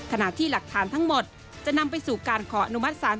ขณะที่หลักฐานทั้งหมดจะนำไปสู่การขออนุมัติศาล